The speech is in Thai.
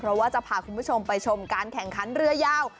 เพราะว่าจะพาคุณผู้ชมไปชมการแข่งขันเรือยาว